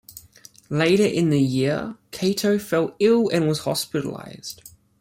Later in the year, Kato fell ill and was hospitalized.